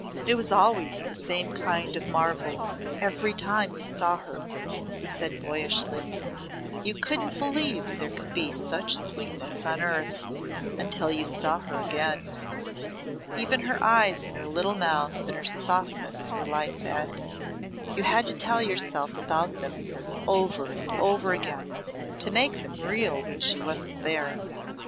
"It was always the same kind of marvel every time you saw her," he said boyishly. "You couldn't believe there could be such sweetness on earth until you saw her again. Even her eyes and her little mouth and her softness were like that. You had to tell yourself about them over and over again to make them real when she wasn't there!"